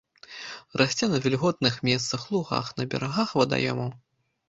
Расце на вільготных месцах, лугах, па берагах вадаёмаў.